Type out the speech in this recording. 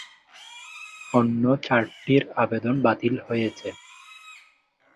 অন্য চারটির আবেদন বাতিল হয়েছে।